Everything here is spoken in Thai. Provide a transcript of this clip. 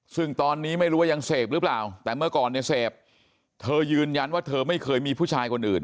ซึ่งตอนนี้ไม่รู้ว่ายังเสพหรือเปล่าแต่เมื่อก่อนเนี่ยเสพเธอยืนยันว่าเธอไม่เคยมีผู้ชายคนอื่น